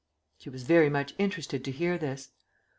She was very much interested to hear this.